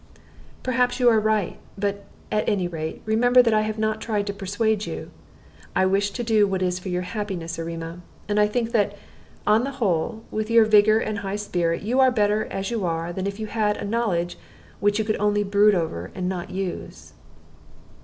"Perhaps you are right; but, at any rate, remember that I have not tried to persuade you. I wish to do what is for your happiness, Erema. And I think that, on the whole, with your vigor and high spirit, you are better as you are than if you had a knowledge which you could only brood over and not use."